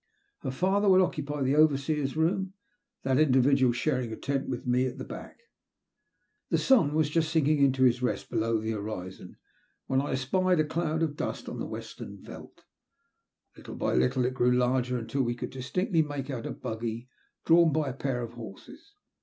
Her father would occupy the overseer's room, that individual sharing a tent with me at the back. The sun was just sinking to his rest below the horizon when I espied a cloud of dust on the western veldt. Little by little it grew larger until we could distinctly make out a buggy drawn by a pair of horses.